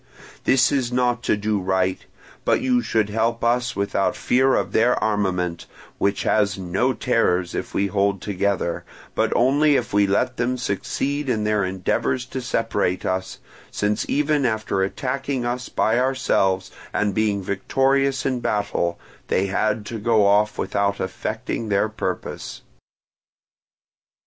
This is not to do right; but you should help us without fear of their armament, which has no terrors if we hold together, but only if we let them succeed in their endeavours to separate us; since even after attacking us by ourselves and being victorious in battle, they had to go off without effecting their purpose.